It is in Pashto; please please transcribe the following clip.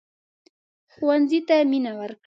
ښوونځی ته مينه ورکړئ